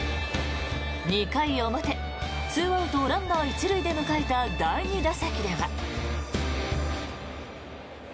２回表２アウト、ランナー１塁で迎えた第２打席では。